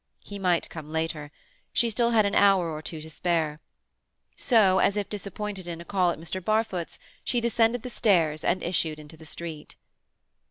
He might come later. She still had an hour or two to spare. So, as if disappointed in a call at Mr. Barfoot's, she descended the stairs and issued into the street.